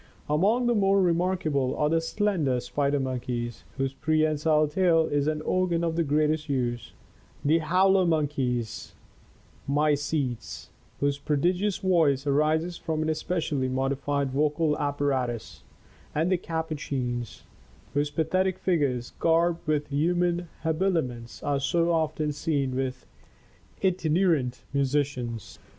Among the more remarkable are the slender spider monkeys (A teles, Fig. 237) whose prehensile tail is an organ of the greatest use; the howler monkeys (Mycetes), whose prodigious voice arises from an especially modified vocal apparatus; and the capuchins (Cebus), whose pathetic figures, garbed with human habiliments, are so often seen with itinerant musicians.